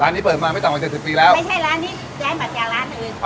ร้านนี้เปิดมาไม่ต่ำกว่าเจ็ดสิบปีแล้วไม่ใช่ร้านนี้แจ้งมาจากร้านอื่น